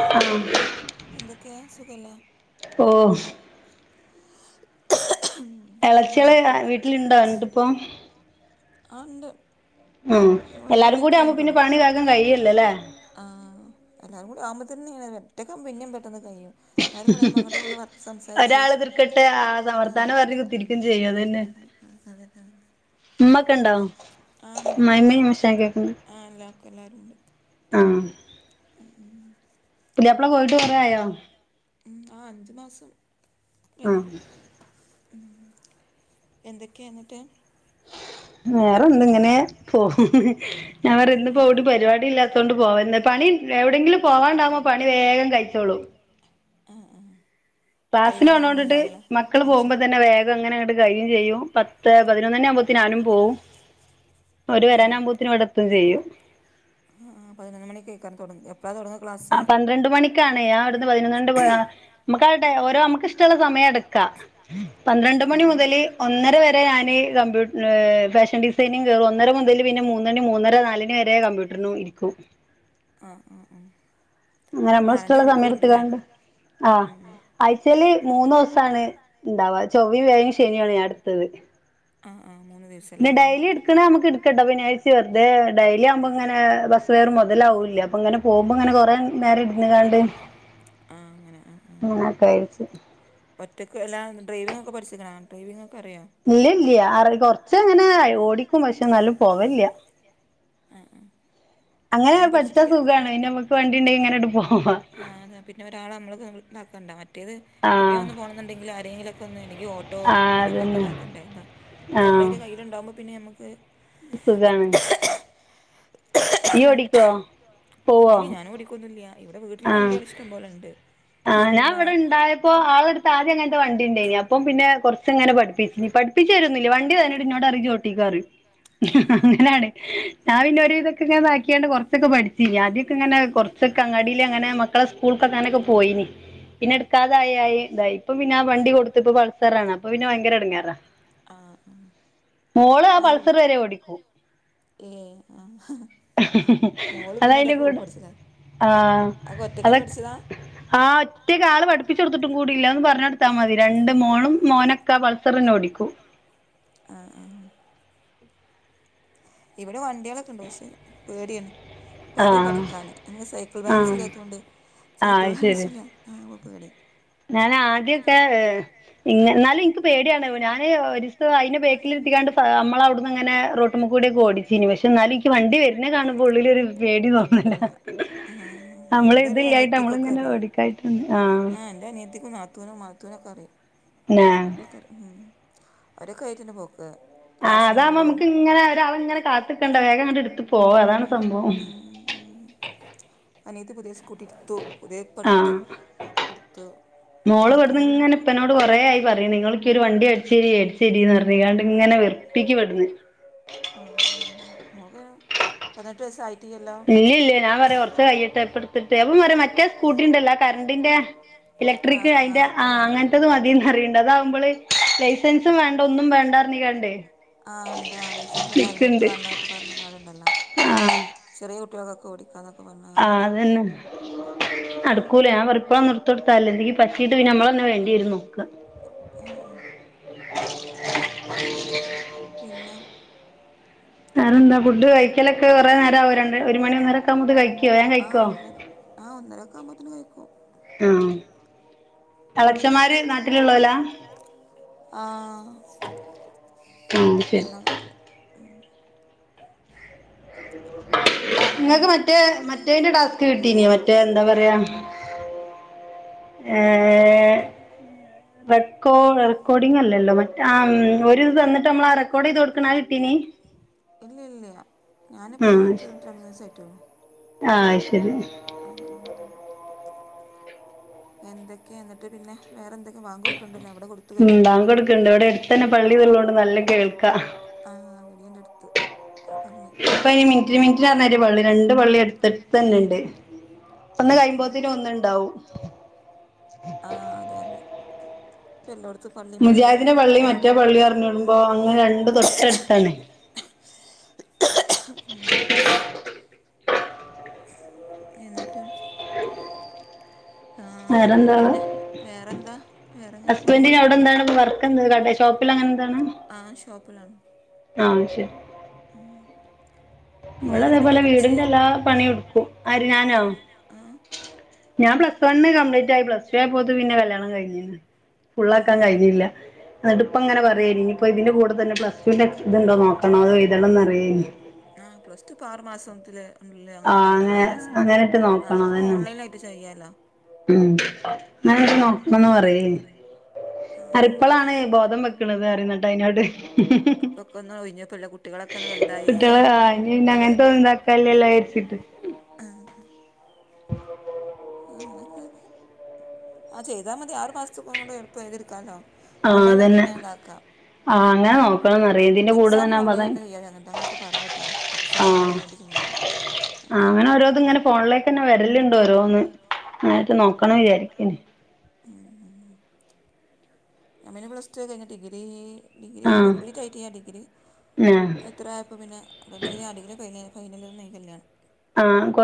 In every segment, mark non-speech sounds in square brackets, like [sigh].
ആഹ് ഓഹ് [unintelligible] ഇളച്ചിള് വീട്ടില്ണ്ടപ്പോ വീട്ടിലുണ്ടിപ്പം ആണ്ട് ആഹ് എല്ലാരും കൂടി ആവുമ്പോ പിന്നെ പണി വേഗം കഴിയല്ലല്ലേ ആഹ് എല്ലാവരും കൂടി ആഉമ്പോ തന്നെങ്ങ ഒറ്റയ്ക്കാ പിന്നേും പെട്ടെന്ന് കയ്യും ആരും കൂടുമ്പോ അങ്ങോട്ടും ഇങ്ങോട്ട് സംസാരിച്ച് ആഹ് [unintelligible] അത് ഉമ്മക്കെ ഉണ്ടോ അമ്മായിമ്മിം അമ്മോ ശാകെക്ക്ണ്ട് ആഹ് എലാക്ക് എല്ലാരുണ്ട് ഉം ഉം ഉം പുത്യാപ്പളെ പോയിട്ട് കൊറായോ ഉം ആഹ് അഞ്ചു മാസം കഴിഞ്ഞു എന്തൊക്കെയഞ്ഞിട്ട് വേറെ എന്ത ഇങ്ങനെ പോവുന്നു ഞാൻ പറാ വേറെന്ത് പോ വിടി പരിപാടി ഇല്ലാത്ത കൊണ്ട് പോവാന്ത പണി എവിടെയെങ്കിലും പോവാണ്ടാവുമ്പോ പണി വേഗം കഴിച്ചോളൂം ആഹ് ആഹ് ക്ലാസിനോണോണ്ടിട്ട് മക്കള് പോകുമ്പോൾ തന്ന വേഗം അങ്ങനെ കയ്യും ചെയ്യും പത്ത് പതിനൊന്നണി ത ആകുമ്പോത്തിന് ഞാനും പോകും ഓര് വരാനാവുമ്പോത്തിന് ഇവിടെത്തും ചെയ്യും ആഹ് പതിനൊന്ന് മണിക്ക് കേക്കാരും തൊടങ്ങ് എ പ്പളാ തൊടങ്ങക്ലാസ് ആഹ് പന്ത്രണ്ട് മണിക്കാണ് ഞാൻ അവിടുന്ന് പതിനൊന്നണ്ട് പോ നമുക്ക്ടെ ഓരോ നമുക്ക് ഇഷ്ടമുള്ള സമയം എടുക്കാം പന്ത്രണ്ട് മണി മുതല് ഒന്നര വരെ ഞാന് കമ്പ്യൂ ഫാഷൻ ഡിസൈ ഡിസൈനി കേറും ഒന്നര മുതൽ പിന്നെ മൂന്നണി മൂന്നര നാലനി വരെ കമ്പ്യൂട്ടറിനും ഇരിക്കും ആഹ് ആഹ് ആഹ് അങ്ങനെ നമ്മള ഇഷ്ടള്ള സമയട്‌ത്ത് കാണ്ട് ആഹ് ആയ്ച്ചേല് മൂന്ന് ദിവസാണ് ഇണ്ടാവാ ചൊവ്വ വ്യായയും ശനിയാണ് ഞാൻ എടുത്തത് ആഹ് ആഹ് മൂന്ന് ദിവസം പിന്നെ ഡെയിലി എടുക്കണേ നമുക്ക് എടുക്കട്ടോ പിനാഴ്ച വെറുത ഡെയിലി ആവുമ്പോ ഇങ്ങനെ ഫെയർ മുതലാവൂല്ല അപ്പൊ ഇങ്ങനെ പോകുമ്പോ ഇങ്ങെനെ കൊറേ നേരം ഇടുന്കാണ്ട് ആഹ് അങ്ങനെ ആഹ് [unintelligible] ഒറ്റക്ക് എല്ലാം ഡ്രൈവിംഗ് ഒക്കെ പഠിച്ച് ക്ണോ ഡ്രൈവിങ്ങൊക്കറിയോ ഇല്ലല്ല കൊറച്ച് ഇങ്ങനെ ഓടിക്കും പക്ഷെ എന്നാലും പോവലില്ല ആഹ് അങ്ങനെ പഠിച്ചാ സുഖാണ് പിന്ന നമുക്ക് വണ്ടി ഇണ്ടെങ്കിൽ ഇങ്ങനെ അണ് പോവാ പിന്നെ ഒരാൾ [unintelligible] മറ്റേത് എവിടുക്കേലൊന്ന് പോകണന്ന്ണ്ടെങ്കിൽ ആരെങ്കില ഒക്കെ അല്ലെങ്കി ഓട്ടോ ഫഓട്ടോ അങ്ങനൊക്കൊ [unintelligible] സ്വന്തമായിട്ട് കയ്യിയിലുണ്ടാവുമ്പോൾ പിന്നെ നമ്മക്ക് സുഖാണ് ഇയ്യോടിക്കോ പോവോ ഞാൻ ഓടിക്കൊന്നില്ല ഇവടെ വീട്ടില് വണ്ടിയാള്‌ ഇഷ്ടംപോലെ ഇണ്ട്. ആഹ് ഞാൻ ഇവടെണ്ടായപ്പോ ആള അടുത്ത് ആദ്യം അങ്ങനത്തെ വണ്ടി ഇണ്ടേനി അപ്പം പിന്നെ കുറച്ചങ്ങനെ പഠിപ്പിച്ച്നി പഠി പ്പിച് തരൊന്നില്ല വണ്ടി തന്നിട്ട് ഇന്നോടറി ഇയ്യോട്ടിക്കോ റിം അങ്ങനാണ് ഞാൻ പിന്നെ ഒരു വിധൊക്കെ ങ്ങൻതാക്കി ക്ക്യാണ്ട് കൊറച്ചൊക്കെ പഠിച്ചീനി. ആദ്യക്കെങ്ങെനെ കുറച്ചൊക്കെ അങ്ങാടി ക്കങ്ങാടീല് അങ്ങനെ മക്കളെ സ്‌കൂൾക്കൊക്കങ്ങനെ പോയീനി പിന്നെ ഇട്ക്കാതായി ആയി ഇതായി. ഇപ്പം പിന്നെ ആ വണ്ടി കൊടുത്ത് പ്പ പൾസറാണ്. അപ്പൊ പിന്നെ ഭയങ്കര എടങ്ങാറാ. ആഹ് ആഹ് മോള് ആ പൾസർ വരെ ഓ ടിക്കും. ഏഹ് ആഹാ അതയിന്റെ കൂടെ ആഹ് റ്റക്കെന്നെ പഠിച്ചതാ? ആഹ് ഒറ്റ കാ ആള് പഠിപ്പിച്ചൊടുത്തിട്ടും കൂടില്ലാ. അഒന്ന് പറഞ്ഞൊടുത്താ മതി രണ്ട് മോളും മോനൊ ക്കാ പൾസറെന്നെ ഓടിക്കു. ആഹ് ആഹ് ഇവടെ വണ്ടിയേളൊക്കെ ഉണ്ട് പക്ഷെ പേട്യാണ് പറ്യ പഠിക്കാന് അൻക് സൈക്കിൾ ബാലൻസ് ഇല്ല്യാത്തോണ്ടെ സൈക്കിൾ ബാലൻസൂല ആഹ് പ്പ പേട്‌യാ. ഞാൻ ആദ്യൊക്കെ ഏഹ് ഇങ് ഇന്നാലും ഇൻക്ക് പേടിയാണ് ഞാൻ ഒരീ സം അയിനെ ബേക്കില്ര്ത്തിക്കാണ്ട് ഫ മ്മളവിട്ന്നങ്ങനെ റോട്ട്മ്മ കൂടൊക്കെ ഓടിച്ചിനി പക്ഷെ ഇന്നാലും ഇൻക്ക് വണ്ടി വര്ണ കാണുമ്പോ ഉള്ളിലൊരു പേടി തോന്നലാ. നമ്മള ഇത് ല്ലായിട്ട് നമ്മള് ഇങ്ങനെ ഓടിക്കായിട്ട് ഏഹ് ഇന്റെ അനിയത്തിക്കും നാത്തൂനും മാത്തൂനൊക്ക അറിം. ന്നേ. കൊ ഉം അവരൊക്കെ ആയിട്ടന്നെ പോക്ക് ആ്താവുമ്പോ നമു ഇങ്ങനെ ഒ അതാവുമ്പം നമുക്കിങ്ങനെ ഒരാളെങ്ങനെ കാത്തിക്കണ്ട വേഗങ്ങട് ഇട്ത്ത് പോവാ അതാണ് സംഭവം. അനിയത്തി പുതിയ സ്കൂട്ടിടുത്തു പുതിയ ഇപ്പട്ത്ത് ഇട്ത്തു നാത്തൂന് പിന്നെ ഇപ്പനോട് കൊറേ ആയി പറിണ് ഇങ്ങള് ഇൻക്കൊര് വണ്ടി വേട്ച്ചരി വേടിച്ചരിന്ന് പറഞ്ഞ് കാണ്ട് ഇങ്ങനെ വെറുപ്പിക്കു ഇവട്ന്ന് ആഹ് മോക്ക് പതിനെട്ട് വയസായി ഇല്ലല്ല ഞാൻ പറയാ കൊർച്ച് കൈയട്ടെ ഇപ്പട്ത്തിട്ട് അപ്പം പറിം മറ്റേ സ്കൂട്ടി ണ്ടല്ലോ ആ കരണ്ടിന്റെ ഇലക്ട്രിക്ക് അയിന്റെ ആഹ് അങ്ങൻത്തത് മതീന്നറിണ്ട് അതാവുമ്പൾ ലൈസൻസും വേണ്ട ഒന്നും വേണ്ടർഞ്കാണ്ടേ ആഹ് ഇണ്ട് ലൈസൻസ് വേണ്ട ഹെൽമെറ്റ് വേണ്ട പർഞ്ങ്ങാണ്ട്ണ്ടല്ലോ ചെറിയ കുട്ടികൾക്കൊക്കെ ഓടിക്കാന്ന ആഹ് അതന്നെ നടക്കൂല. ഞാൻ പറിം ഇപ്പളൊന്നും ഇട്‌ത്തൊട്ത്താല് എന്തെങ്കി പറ്റീട്ട് പിന്നെ നമ്മളന്നെ വേണ്ടി വരും നോക്കാ. പിന്നെ വേറെന്താ ഫുഡ് കഴിക്കലൊക്കെ കുറെ നേരവോ? രണ്ട് ഒരു മണി ഒന്നരക്കാകുമ്പോത് കഴിക്കുവോ വേം കഴിക്കോ? ആഹ് ഒന്നരക്കവുമ്പോത്തിന് കയിക്കും. ആഹ് എളച്ചന്മാര് നാട്ടിലുള്ളോലാ ആഹ് ആഹ് ശരി ഇങ്ങക്ക് മറ്റേ മറ്റേന്റെ ടാസ്ക് കിട്ടീന്യോ മറ്റേ എന്താ പറയാ ഏഹ് റെക്കോ റെക്കോർഡിംഗ് അല്ലല്ലോ മറ്റ ആം ഒരു ദ് തന്നിട്ട് നമ്മള ആ റെക്കോർഡ് ചെയ്ത് കൊടുക്കണാ അത് കിട്ടീനി? ഇല്ല ഇല്ല ഞാനിപ്പോ [unintelligible] രണ്ട് മൂന്ന്സ ആയിട്ടൊള്ളു ആഹ് ആഹ് എന്തൊക്കെ ഇന്നട്ട് പിന്നെ വേറെ എന്തൊക്കെ വാങ്ക് കൊടുക്ണ്ടല്ലോ അവിടെ കൊടു ഉം വാങ്കൊടുക്ണ്ട്. ഇവടെ എട്ത്തന്നെ പള്ളിള്ളതോണ്ട് നല്ല കേൾക്കാ ആഹ് വെടീ ണ്ടെട്ത്ത് ഇപ്പൊ അയ്ന് മിൻറ്റിന് മിൻറ്റ്നാന്നര് പള്ളി രണ്ട് പള്ളി അടുത്തടുത്തന്നെണ്ട്. ഒന്ന് കയ്യുമ്പോത്തേനും ഒന്നുണ്ടാവും ആഹ് അതെ അതെ ഇപ്പ എല്ലടത്തും പള്ളി മുജാദിന്റെ പള്ളി മറ്റേ പള്ളി അറിഞ്ഞിടുമ്പോ അങ്ങനെ രണ്ട് തൊട്ടടുത്താണ് ഉം എന്നിട്ട് ആഹ് എന്നിട്ട് പിന്നെ വേറെന്താ ഹസ്ബന്റീൻ അവിടെ എന്താണ് ഇ വർക്ക് എന്തട്ട ഷോപ്പിൽ അങ്ങനെന്താണ് ആഹ് ഷോപ്പിലാണ് ആഹ് ശരി ഉം നമ്മൾ അതേപോലെ വീടിന്റെ എല്ലാ പണിയടുക്കും ആര് ഞാനോ ഞാൻ പ്ലസ് വൺ കംപ്ലീറ്റയി പ്ലസ് ടു ആ പോ പിന്നെ കല്യാണം കഴിഞ്ഞിന്ന് ഫുള്ളാക്കാ കഴിഞ്ഞില്ല നിട്ട് ഇപ്പ ങ്ങനെ പറയാനി ഇപ്പ ഇതിന്റെ കൂടെ തന്ന പ്ലസ് ടുൻ ഇതുണ്ടോ നോക്കണോ അത് എഴുതണംന്ന് അറയിനീ. ആ പ്ലസ് ടു പ്പൊ ആറ മാസത്തില് ല്ളെ അങ്ങനെണ്ടല്ലോ ആറു മാസം ആ ഓൺലൈൻ ആയിട്ട് ചെയ്യ് ഉം അങ്ങനെ നോക്കണംന്ന് പറന്. അരിപ്പളാണ് ബോധം വെക്കണുന്നത് റുന്നട്ട അയ്നോട്ട് ഇപോക്കന്ന് കഴിഞ്ഞപ്പോ കുട് കുട്ടികളോക്കെ ഒന്ന് വലുതായി [inaudible] ആ നക്ക ആ ചെയ്ത മതി ആറ് മാസത്തക്കണ്ട് എളുപ്പം ഏയ്‌ യ്തിടി ക്കാലോ. ഓൺലൈനയിട്ട്ന്നെ ഇതാക്കാം. എക്സാം ഓൺലൈൻ തന്നെ അങ്ങനൊക്കെ പറഞ്ഞട്ടിനീ എക്സാം ഓൺലൈൻ. ചെയ്യാ ആ അങ്ങനെ രോന് ങ്ങനെ ഫോണിലേക്കന്നെ വരല്ലണ്ടോരോന്ന് യിട്ട് നോക്കണ വിചാരിക്കേ [inaudible] ഞാ പിന്നെ പ്ലസ് ടു കഴിഞ്ഞ ഡിഗ്രി ഡിഗ്രി കംപ്ലീറ്റ് ആയിയ്യാ ഞൻ ഡിഗ്രി ഇത്രയപ്പോ പിന്നെ ഡിഗ്രി അടി ഫൈൽ ന കല്യാണം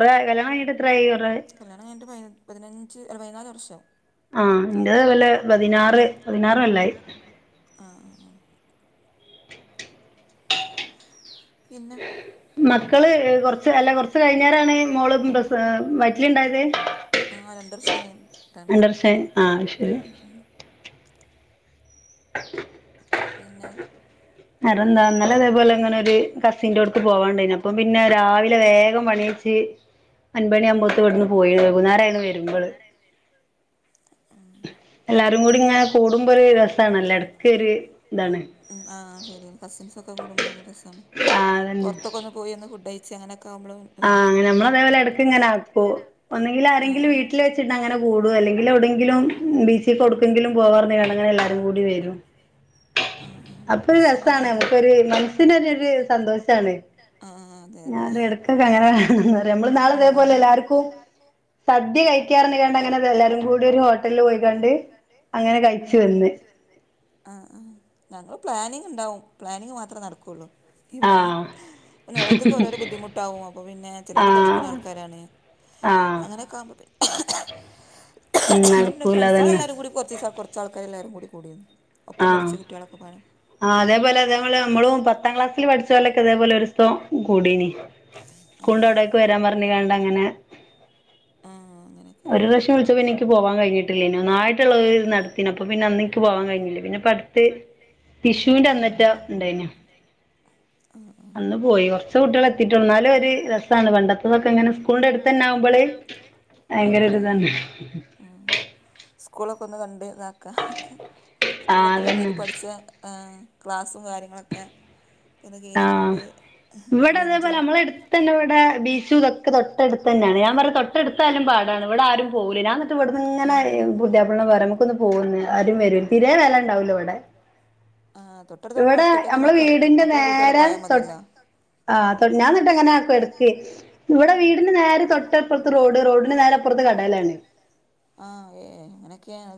ആ കല്യാണം കഴിഞ്ഞിട്ട് ഇപ്പൊ ത്രായി കല്യാണം കഴഞ്ഞിട്ട് പതിനഞ്ച് പതിനാല് വർഷ ആഹ ന്റെത് ലെ പതിനാറ് നാറ് പതിനാറല്ലേ? ആഹ് ആഹ് പിന്നെ മക്കള് കൊറച്ച് അല്ല കൊറച്ച് കഴിഞ്ഞേരാണ് മോള് വറ്റിലിണ്ടായത്? ആഹ് രണ്ട വർഷം കഴട്ടാണ് ആ [inaudible] പിന്നെ അ ന്താ ന്നന്നാല അതേപോലെ അങ്ങനെ ഒരു കസിന്റെറടുത്ത് പോവാണ്ടേനി അപ്പ പിന്നെ രാവിലെ വേഗ പണി അൻപണിയവുമ്പോഴത്ത ഇവിടുന്ന് പോയി വെകനേരായിരുന്നു വരുമ്പള്. [inaudible] എല്ലാരും കൂടി ഇങ്ങനെ കൂടുമ്പോ ഒരു രസമാണ്ല്ല ടക്കൊരു താണ്. ഉം ആഹ് ശരി കസിൻസ്ക്കെ കൂടുമ്പോഴൊല്ല രസണ് പുറത്തൊക്കെ ഒ പോയി ഒന്ന്ഫുഡ് കയച്ച് അങ്ങനൊക്കെകബ്ലും ആഹ് അങ്ങനെ നമ്മളതേപോലെടുക്കങ്ങെ അതാ ഓഹ് ഒന്നെങ്കിൽ ആരെങ്കും വീട്ടിൽ വെച്ചിട്ട് അങ്ങനെ കൂട അല്ലെങ്കിൽ എവിടെെങ്കിലും ബി ഇപ്പോടുക്കങ്കില പോവാന്ന്റഞ്ഞ ങ്ങനെ എല്ലാരും കൂടി വരും. അപ്പൊ ഒരു രസണ് നമുക്കരു മനസ്സനരു ഒരു സന്തോഷാണ്. ആഹ് അതെ അതെ. അങ്ങനെ നമ്മ ഇന്നാള് ഇതേപോലെ എല്ലാരും പോലെ എല്ലാർക്കും സദ്യ കഴിക്കാറിനകണ്ട് അങ്ങനെ എല്ലാരും കൂടി ഒരു ഹോട്ടലില് പോയികാണ്ട് അങ്ങനെ കഴിച്ചു വന്ന്. [inaudible] ആഹ് ആ ഞങ്ങൾ പ്ലാനിങ് ണ്ടാവും പ്ലാനിങ് മാത്രേ നടക്കുള്ളൂ. ഇവിടെന്നോഓരോത്തക്ക് ഓരോ ബുദ്ധിമുട്ടാവും അപ്പൊ പിന്നെ ചിലോർ പഠിക്കുന്ന ആൾക്കാരാണ്. അങ്ങനെയൊക്കെ ആകുമ്പോ പിന്നെ നമ്മുടെ ഫ്രണ്ട്സാണ് എല്ലാരുകൂടി കൊറച്ചീസം കൊറ ചക്കാട് രെല്ലാരും കൂടി കൂടിയിരുന്നു ഒപ്പം പഠിച്ച കുട്ടികളൊക്കെ പാടെ ആ അതേപോലെ അതേപോലെ നമ്മളും പത്താം ക്ലാസ്സിൽ പഠിച്ച പോലൊക്കെ തേപോലെ ഒരീസം കൂടീനി. സ്കൂണ്ട അവ്ടേക്ക് വരാൻ പറഞ്ഞ കണ്ട അങ്ങനെ ആഹ് ഒരു വർഷം വിളിച്ചപ്പോ എനിക്ക് പോവാൻ കഴിഞ്ഞിട്ടില്ലേന ഒന്നായിട്ടുള്ളത് നടത്തിന് അപ്പൊ പിന്നെ അനെക്ക് പോവാൻ കഴിഞ്ഞില്ലേ. പിന്നെ പടുത്ത് വിഷുവിന്റെന്ന്ൻറ്റ് ഉണ്ടായിന. അന്ന് പോയി കുറച്ച് കുട്ടികളെ എത്തിട്ട്ന്നാലും ഒരു രസമാണ് പ ണ്ടത്തെ അതൊക്ക ഇങ്ങനെ സ്കൂൾണ്ട അടുത്തന്ന ആവുമ്പള് ഭയങ്കര ഒരു ഇതാണ് ആഹ് സ്കൂളൊക്കെ ഒന്ന് കണ്ട് ഇതാക്കാ സ്കൂളൊക്കൊന്ന് കേറി പഠിച്ച ആഹ് ക്ലാസ്സും കാര്യങ്ങളൊക്കെ ഒന്ന് കേറി കണ്ട് ബെഞ്ചും തന്നെ ഇവിട ബീച്ചുതൊക്ക തൊട്ടടുത്തന്നാണ് ഞാൻ പറല് തൊട്ടടുത്തായാലും പാടാണ് ഇവിട ആരും പോവൂലെ ഞാന് ഇവിടുന്നിങ്ങനെ ഈ പുതിയാപ്ലട് പറയും മുക്കൊന്ന് പോവാന്ന് ആരും വരൂൽ തീരേ വെല ഉണ്ടാവൂല ഇവിടെ ആ തൊട്ടടുത്താവുമ്പോൾ ഒറ്റക്കന്ന മക്കൾ മക്കളെ കൂട്ടിയങ്ങട് പോയാ മതിയല്ലോ. ആ ത്ത ഞാന്നിട്ട് ഇങ്ങന ആക്കും എടക്ക് ഇവിടെ വീടിന്റെ നേരെ തൊട്ടപ്പുറത്ത് റോഡ് റോഡിന് നേരെ അപ്പുറത്ത് കടലാണ് ആഹ് ഏഹ് അങ്ങനെ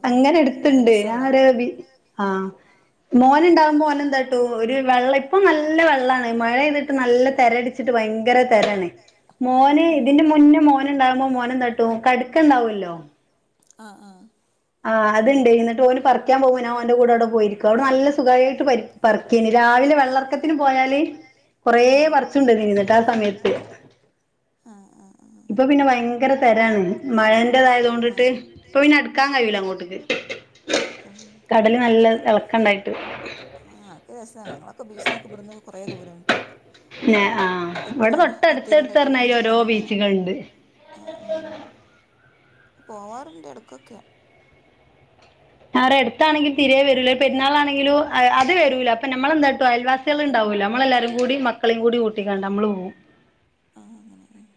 അങ്ങനെ അടുത്ത്ണ്ട് ഞാൻ ഒരു ബി ആഹ് മോനുണ്ടാവുമ്പോനെന്താട്ടൂ ഒരു വെള്ളം ഇപ്പം നല്ല വെള്ളാണ് മഴെയ്തിട്ട് നല്ല തെരടി ച്ചിട്ട് ഭയങ്കര തെരാണേ മോന് ഇതിന്റെ മുന്നേ മോന്ണ്ടാവുമ്പ മോനെന്താട്ടും കട്ക്ക ഇണ്ടാവുവല്ലോ ആഹ് ആഹ് ആഹ് അത്ണ്ട് എന്നിട്ട് ഓന് പറിക്കാൻ പോവും നാ ഓന്റ കൂട അവിടെ പോയിരിക്കും അവിട നല്ല സുഖായിട്ട് പരി പറക്കീനി രാവിലെ വെള്ളർക്കത്തിന് പോയാല് കൊറേ പറിചൂണ്ടന്നിന് ന്നിട്ട് ആ സമയത്ത് ഇപ്പൊ പിന്ന ഭയങ്കര തെരാണ് മഴേന്റതായതൊണ്ടിട്ട് ഇപ്പൊ പിന്നെ അട് ക്കാൻ കയൂല്ല അങ്ങോട്ട്ക്ക് ആഹ് ആഹ് അക്ക [unintelligible] ക്ക് ബീച്ച്ന്നക്കിവടന്ന് കുറേ ദൂരാണ് ആഹ് ഇവിടെ തൊട്ടടുത്തടുത്തറിഞായിരി ഓരോ ബീച്കൾണ്ട് ആഹ് ആഹ് പോവാറുണ്ട് എടക്കൊക്കെ ആടെ അടുത്താണെങ്കിൽ തിരേ വരൂല്ല പെരുന്നാളാണെങ്കിലൂം അ അത് വെരൂല അപ്പൊ നമ്മളെന്താട്ടും അയൽവാ സികളിണ്ടാവുല്ല നമ്മളെല്ലാരും കൂടി മക്കളേം കൂടി കൂട്ടിക്കാണ്ട്‌ നമ്മള് പോവും ആഹ് അങ്ങന ആഹ്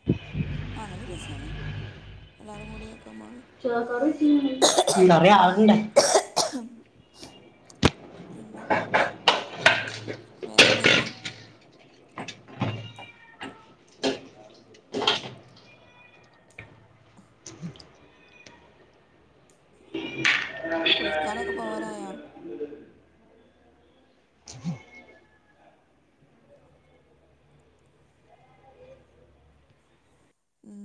ആഹ് അങ്ങനെ രസാണ് എല്ലാവരും കൂടി യാക്കുമ്പോൾ ചേക്കറി [unintelligible] എന്താറിയ ആള്ണ്ട് പിന്നെ വേറെന്തൊക്കെ കുളിക്കാനൊക്കെ പോവാനായോ